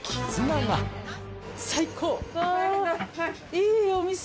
いいお店。